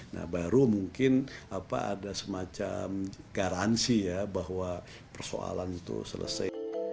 nah baru mungkin ada semacam garansi ya bahwa persoalan itu selesai